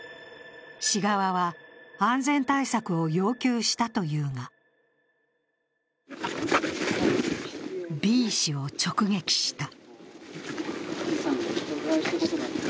市側は、安全対策を要求したというがＢ氏を直撃した。